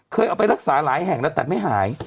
เคยเอาไปรักษาหลายแห่งแล้วแต่ไม่หาย